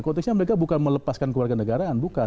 konteksnya mereka bukan melepaskan keluarga negaraan bukan